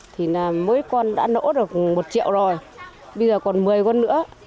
thì mỗi con đã nỗ được một triệu rồi bây giờ còn một mươi con nữa